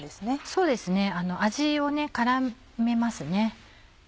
そうですね味を絡めますね。